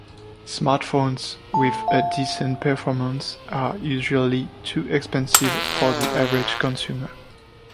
Smartphones with a decent performance are usually too expensive for the average consumer.